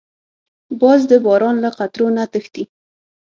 باز د باران له قطرو نه تښتي